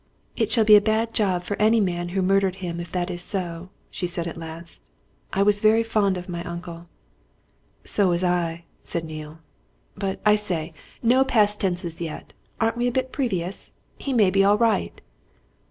"It shall be a bad job for any man who murdered him if that is so," she said at last. "I was very fond of my uncle." "So was I," said Neale. "But I say no past tenses yet! Aren't we a bit previous? He may be all right."